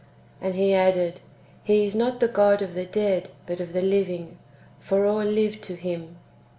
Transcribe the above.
"^ And He added, " He is not the God of the dead, but of the living ; for all live to Him."